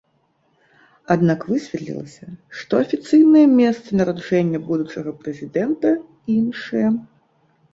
Аднак высветлілася, што афіцыйнае месца нараджэння будучага прэзідэнта іншае.